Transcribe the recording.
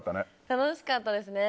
楽しかったですね。